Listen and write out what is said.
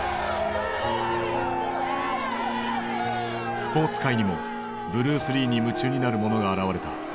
スポーツ界にもブルース・リーに夢中になる者が現れた。